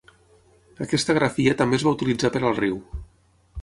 Aquesta grafia també es va utilitzar per al riu.